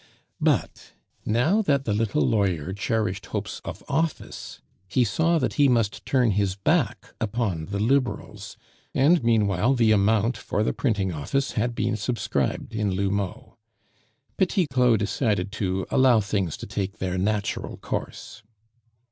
But now that the little lawyer cherished hopes of office, he saw that he must turn his back upon the Liberals; and, meanwhile, the amount for the printing office had been subscribed in L'Houmeau. Petit Claud decided to allow things to take their natural course.